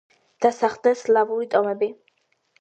დასახლდნენ სლავური ტომები.